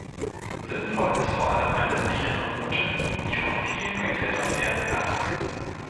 Sinnvoll ist vor allem eine sichere Route, die von vielen geklettert werden kann.